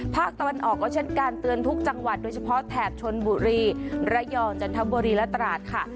ภาคตะวันออกก็เช่นการเตือนทุกจังหวัดโดยเฉพาะแถบชนบุรีระยองจันทบุรีและตราดค่ะ